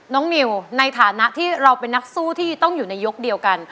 นิวในฐานะที่เราเป็นนักสู้ที่ต้องอยู่ในยกเดียวกัน